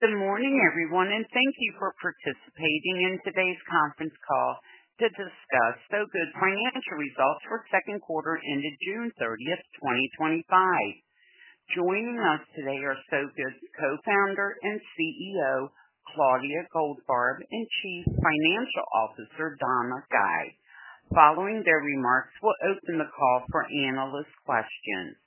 Good morning, everyone, and thank you for participating in today's Conference Call to discuss Sow Good's Financial Results for the second quarter ended June 30, 2025. Joining us today are Sow Good's Co-Founder and CEO, Claudia Goldfarb, and Chief Financial Officer, Donna Guy. Following their remarks, we'll open the call for analyst questions.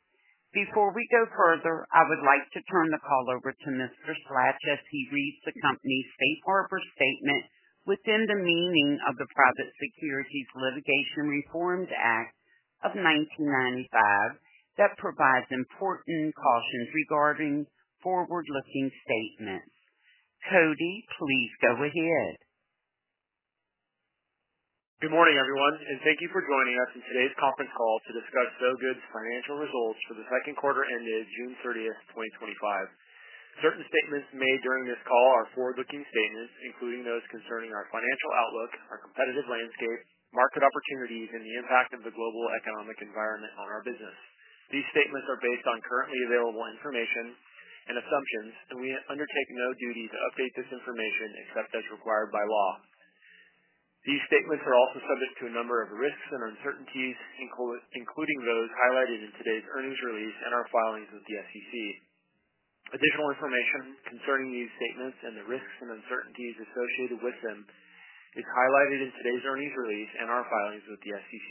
Before we go further, I would like to turn the call over to Mr. Slach as he reads the company's Safe Harbor Statement within the meaning of the Private Securities Litigation Reform Act of 1995 that provides important caution regarding forward-looking statements. Cody, please go ahead. Good morning, everyone, and thank you for joining us in today's Conference Call to discuss Sow Good's Financial Results for the second quarter ended June 30, 2025. Certain statements made during this call are forward-looking statements, including those concerning our financial outlook, our competitive landscape, market opportunities, and the impact of the global economic environment on our business. These statements are based on currently available information and assumptions, and we undertake no duty to update this information except as required by law. These statements are also subject to a number of risks and uncertainties, including those highlighted in today's earnings release and our filings with the SEC. Additional information concerning these statements and the risks and uncertainties associated with them is highlighted in today's earnings release and our filings with the SEC.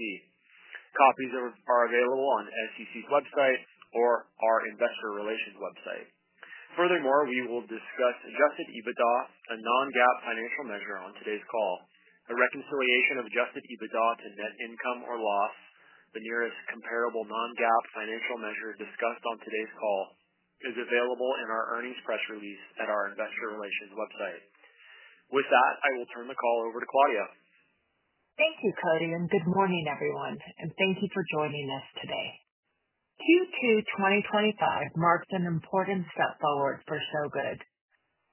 Copies are available on the SEC's website or our Investor Relations website. Furthermore, we will discuss adjusted EBITDA, a non-GAAP financial measure on today's call. A reconciliation of adjusted EBITDA to net income or loss, the nearest comparable non-GAAP financial measure discussed on today's call, is available in our earnings press release at our Investor Relations website. With that, I will turn the call over to Claudia. Thank you, Cody, and good morning, everyone, and thank you for joining us today. Q2 2025 marked an important step forward for Sow Good.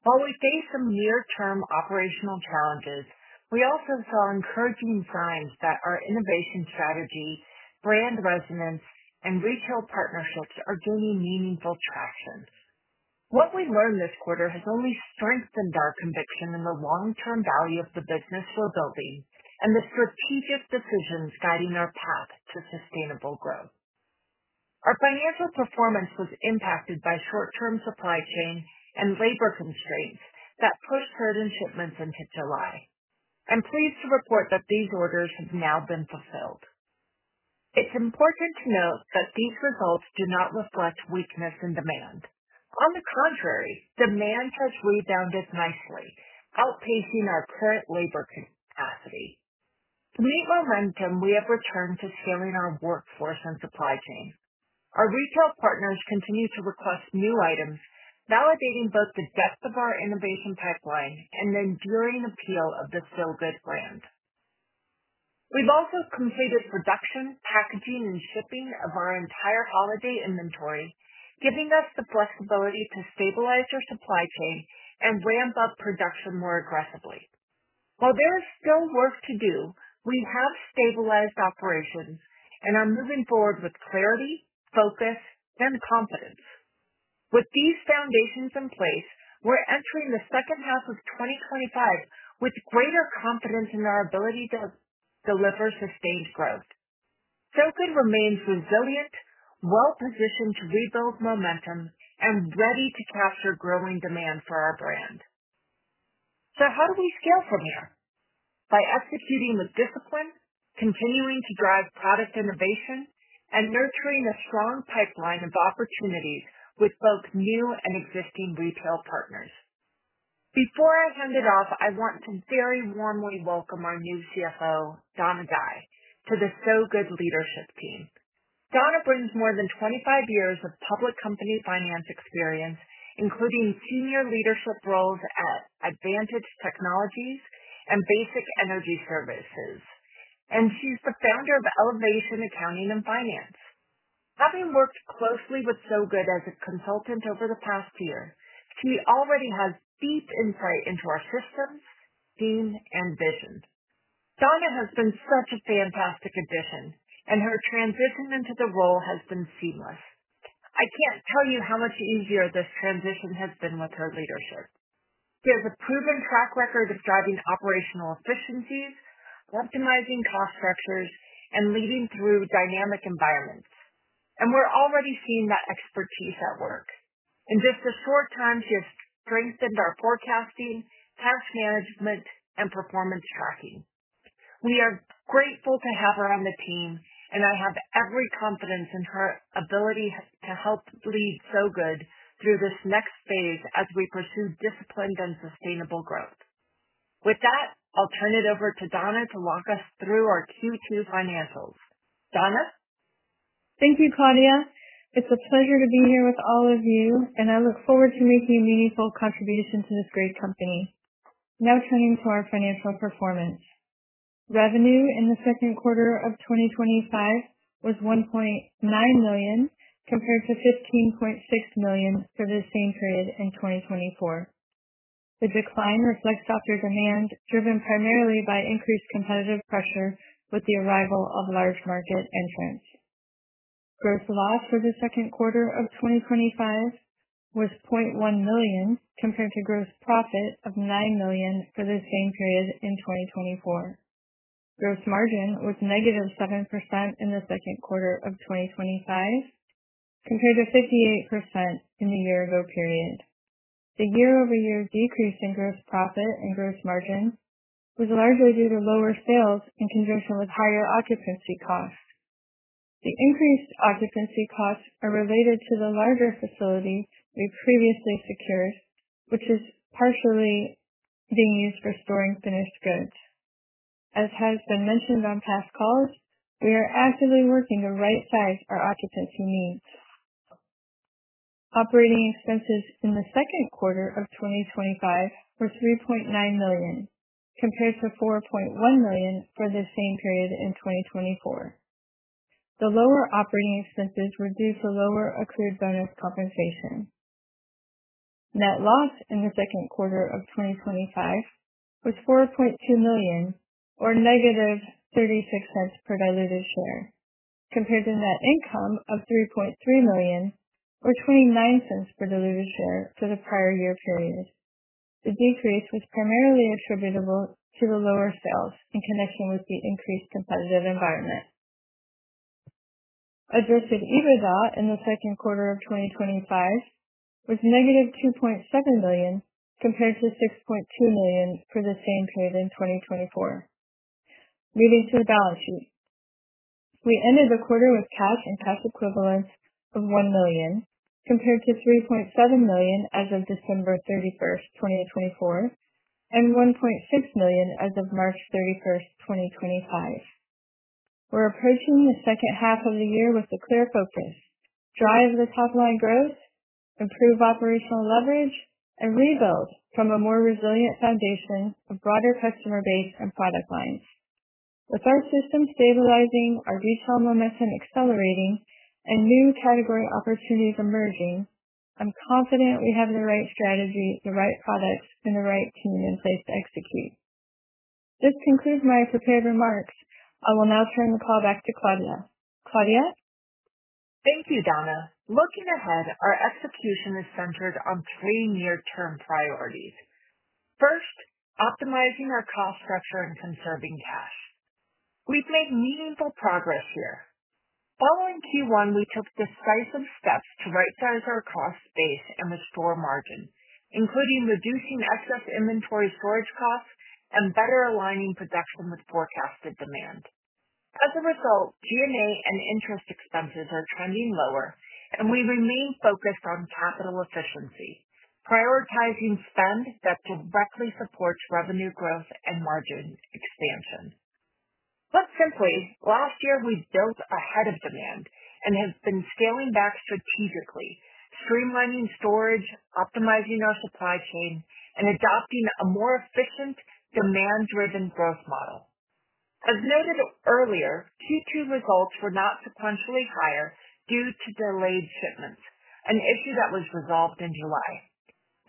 While we face some near-term operational challenges, we also saw encouraging signs that our innovation strategy, brand resonance, and retail partnerships are gaining meaningful traction. What we learned this quarter has only strengthened our conviction in the long-term value of the business we're building and the strategic decisions guiding our path to sustainable growth. Our financial performance was impacted by short-term supply chain and labor constraints that put herding shipments into July. I'm pleased to report that these orders have now been fulfilled. It's important to note that these results do not reflect weakness in demand. On the contrary, demand has rebounded nicely, outpacing our current labor capacity. With momentum, we have returned to scaling our workforce and supply chain. Our retail partners continue to request new items, validating both the depth of our innovation pipeline and the enduring appeal of the Sow Good brand. We've also completed production, packaging, and shipping of our entire holiday inventory, giving us the flexibility to stabilize our supply chain and ramp up production more aggressively. While there is still work to do, we have stabilized operations and are moving forward with clarity, focus, and confidence. With these foundations in place, we're entering the second half of 2025 with greater confidence in our ability to deliver sustained growth. Sow Good remains resilient, well-positioned to rebuild momentum, and ready to capture growing demand for our brand. How do we scale from here? By executing with discipline, continuing to drive product innovation, and nurturing a strong pipeline of opportunities with both new and existing retail partners. Before I hand it off, I want to very warmly welcome our new CFO, Donna Guy, to the Sow Good leadership team. Donna brings more than 25 years of public company finance experience, including senior leadership roles at Advantage Technologies and Basic Energy Services, and she's the founder of Elevation Accounting and Finance. Having worked closely with Sow Good as a consultant over the past year, she already has deep insight into our systems, team, and vision. Donna has been such a fantastic addition, and her transition into the role has been seamless. I can't tell you how much easier this transition has been with her leadership. She has a proven track record of driving operational efficiencies, optimizing cost structures, and leading through dynamic environments. We're already seeing that expertise at work. In just the short time, she has strengthened our forecasting, task management, and performance tracking. We are grateful to have her on the team, and I have every confidence in her ability to help lead Sow Good through this next phase as we pursue disciplined and sustainable growth. With that, I'll turn it over to Donna to walk us through our Q2 financials. Donna. Thank you, Claudia. It's a pleasure to be here with all of you, and I look forward to making meaningful contributions to this great company. Now turning to our financial performance. Revenue in the second quarter of 2025 was $1.9 million compared to $15.6 million for the same period in 2024. The decline reflects the upward trend driven primarily by increased competitive pressure with the arrival of large market entrants. Gross loss for the second quarter of 2025 was $0.1 million compared to gross profit of $9 million for the same period in 2024. Gross margin was -7% in the second quarter of 2025 compared to 58% in the year-ago period. The year-over-year decrease in gross profit and gross margin was largely due to lower sales in conjunction with higher occupancy costs. The increased occupancy costs are related to the larger facility we previously secured, which is partially being used for storing finished goods. As has been mentioned on past calls, we are actively working to right-size our occupancy needs. Operating expenses in the second quarter of 2025 were $3.9 million compared to $4.1 million for the same period in 2024. The lower operating expenses were due to lower accrued benefits compensation. Net loss in the second quarter of 2025 was $4.2 million or -$0.36/diluted share compared to net income of $3.3 million or $0.29/diluted share for the prior year period. The decrease was primarily attributable to the lower sales in connection with the increased competitive environment. Adjusted EBITDA in the second quarter of 2025 was -$2.7 million compared to $6.2 million for the same period in 2024. Moving to the balance sheet, we ended the quarter with cash and cash equivalents of $1 million compared to $3.7 million as of December 31, 2024, and $1.6 million as of March 31, 2025. We're approaching the second half of the year with a clear focus: drive the top-line growth, improve operational leverage, and rebuild from a more resilient foundation of broader customer base and product lines. With our system stabilizing, our retail momentum accelerating, and new category opportunities emerging, I'm confident we have the right strategy, the right products, and the right team in place to execute. This concludes my prepared remarks. I will now turn the call back to Claudia. Claudia? Thank you, Donna. Looking ahead, our execution is centered on three near-term priorities. First, optimizing our cost preference and serving cash. We've made meaningful progress here. Following Q1, we took decisive steps to right-size our cost base and restore margin, including reducing excess inventory storage costs and better aligning production with forecasted demand. As a result, G&A and interest expenses are trending lower, and we remain focused on capital efficiency, prioritizing spend that directly supports revenue growth and margin expansion. Put simply, last year we jumped ahead of demand and have been scaling back strategically, streamlining storage, optimizing our supply chain, and adopting a more efficient, demand-driven growth model. As noted earlier, Q2 results were not substantially higher due to delayed shipments, an issue that was resolved in July.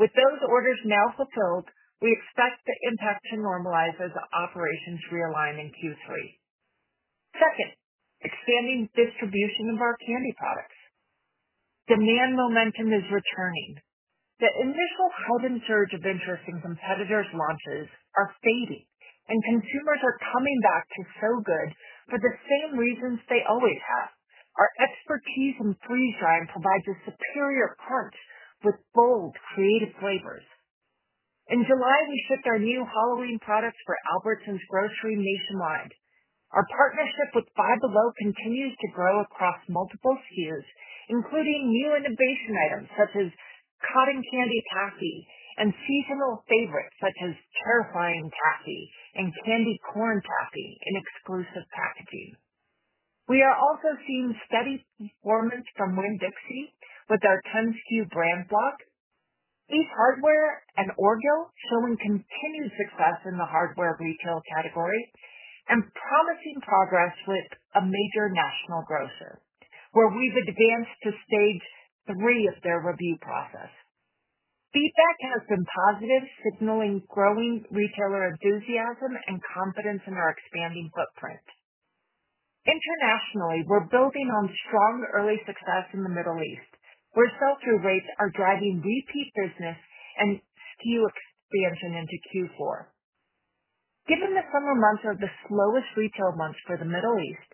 With those orders now fulfilled, we expect the impact to normalize as operations realign in Q3. Second, expanding distribution of our candy products. Demand momentum is returning. The initial sudden surge of interest in competitors' launches is fading, and consumers are coming back to Sow Good for the same reasons they always have. Our expertise in freeze drying provides a superior punch with bold, creative flavors. In July, we shipped our new Halloween product for Albertsons Grocery nationwide. Our partnership with Five Below continues to grow across multiple tiers, including new innovation items such as Cotton Candy Taffy and seasonal favorites such as Terrifying Taffy and Candy Corn Taffy in exclusive packaging. We are also seeing steady performance from Winn-Dixie with our 10 SKU brand block. Ace Hardware and Orgill showing continued success in the hardware retail category and promising progress with a major national grocer, where we've advanced to stage three of their review process. Feedback has been positive, signaling growing retailer enthusiasm and confidence in our expanding footprint. Internationally, we're building on strong early success in the Middle East, where sell-through rates are driving repeat business and SKU expansion into Q4. Given the summer months are the slowest retail months for the Middle East,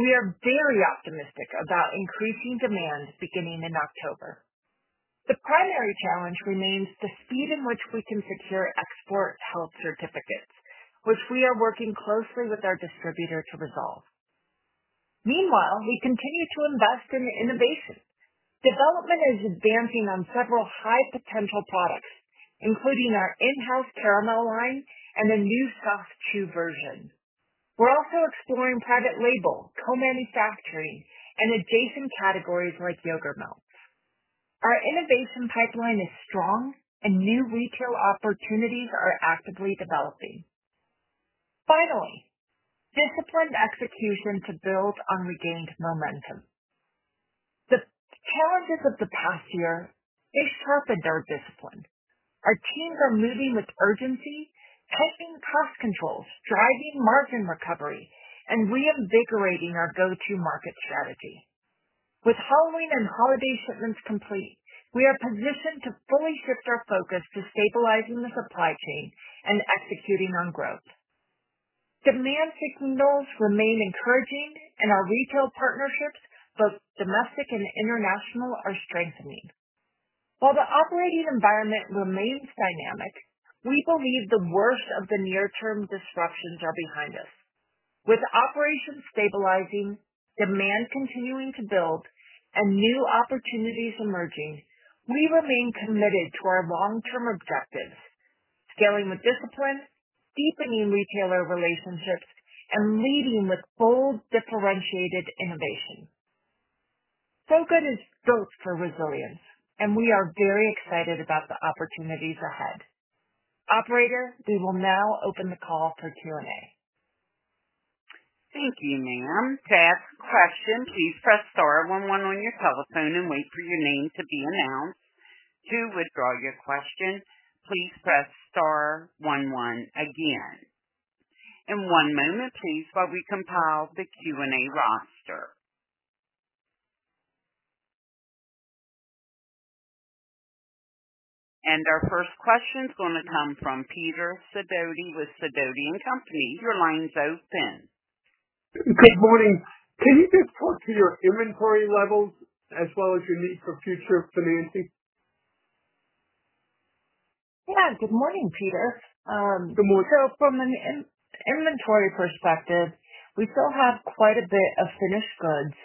we are very optimistic about increasing demand beginning in October. The primary challenge remains the speed in which we can secure export health certificates, which we are working closely with our distributor to resolve. Meanwhile, we continue to invest in innovation. Development is advancing on several high-potential products, including our in-house caramel line and a new soft chew version. We're also exploring private label, co-manufacturing, and adjacent categories like yogurt melts. Our innovation pipeline is strong, and new retail opportunities are actively developing. Finally, disciplined execution to build on the gained momentum. The challenges of the past year have sharpened our discipline. Our teams are moving with urgency, testing cost controls, driving margin recovery, and reinvigorating our go-to-market strategy. With Halloween and holiday shipments complete, we are positioned to fully shift our focus to stabilizing the supply chain and executing on growth. Demand signals remain encouraging, and our retail partnerships, both domestic and international, are strengthening. While the operating environment remains dynamic, we believe the worst of the near-term disruptions are behind us. With operations stabilizing, demand continuing to build, and new opportunities emerging, we remain committed to our long-term objectives: scaling with discipline, deepening retailer relationships, and leading with bold, differentiated innovation. Sow Good is built for resilience, and we are very excited about the opportunities ahead. Operator, we will now open the call for Q&A. Thank you, Ma'am. To ask a question, please press star one-one on your telephone and wait for your name to be announced. To withdraw your question, please press star one-one again. In one moment, please, while we compile the Q&A roster. Our first question is going to come from Peter Sidoti with Sidoti & Company. Your line is open. Good morning. Can you just talk to your inventory levels as well as your need for future financing? Yeah, good morning, Peter. Good morning. From an inventory perspective, we still have quite a bit of finished goods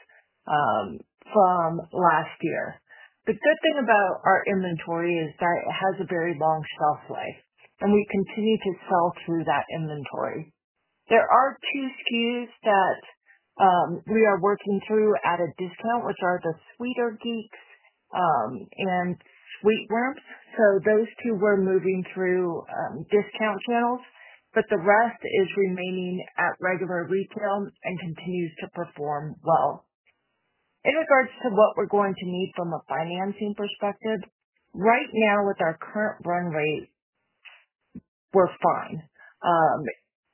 from last year. The good thing about our inventory is that it has a very long shelf life, and we continue to sell through that inventory. There are two SKUs that we are working through at a discount, which are the Sweeter Geeks and Sweet Worms. Those two we're moving through discount sales, but the rest is remaining at regular retail and continues to perform well. In regards to what we're going to need from a financing perspective, right now with our current run-rate, we're fine.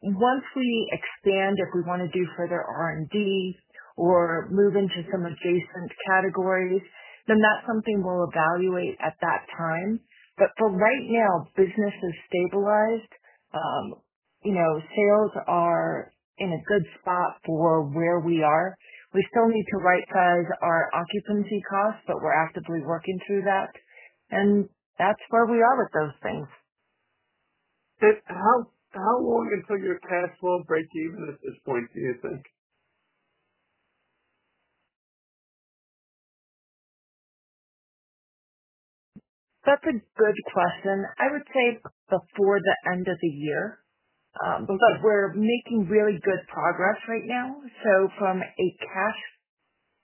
Once we expand, if we want to do further R&Ds or move into some adjacent categories, then that's something we'll evaluate at that time. For right now, business is stabilized. Sales are in a good spot for where we are. We still need to right-size our occupancy costs, but we're actively working through that. That's where we are with those things. Good. How long until your cash flow break-even at this point, do you think? That's a good question. I would say before the end of the year. We're making really good progress right now. From a cash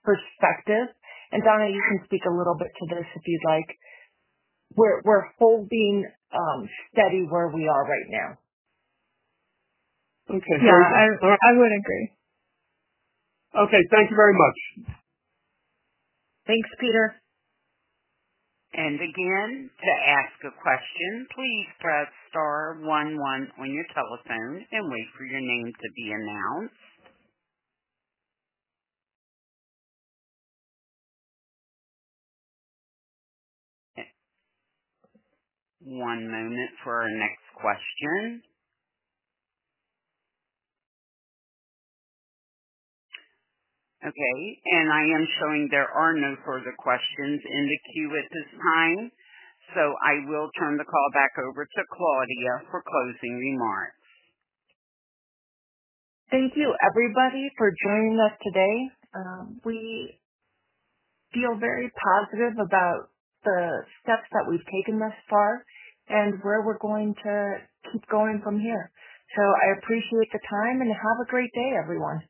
perspective, and Donna, you can speak a little bit to this if you'd like, we're holding steady where we are right now. Okay. Sure. I would agree. Okay, thank you very much. Thanks, Peter. And again, to ask a question, please press star one-one on your telephone and wait for your name to be announced. One moment for our next question. I am showing there are no further questions in the queue at this time. I will turn the call back over to Claudia for closing remarks. Thank you, everybody, for joining us today. We feel very positive about the steps that we've taken thus far and where we're going to keep going from here. I appreciate the time and have a great day, everyone.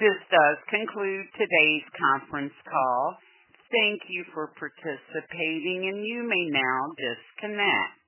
This does conclude today's Conference Call. Thank you for participating, and you may now disconnect.